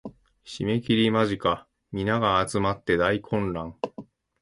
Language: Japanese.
締切間近皆が集って大混乱